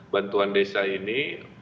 bantuan desa ini